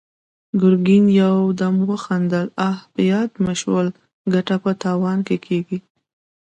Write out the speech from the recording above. ګرګين يودم وخندل: اه! په ياد مې شول، ګټه په تاوان کېږي!